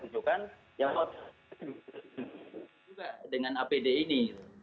jangan lupa dengan apd ini